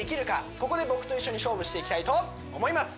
ここで僕と一緒に勝負していきたいと思います